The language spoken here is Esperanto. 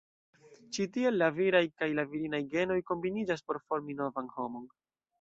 Ĉi tiel la viraj kaj la virinaj genoj kombiniĝas por formi novan homon.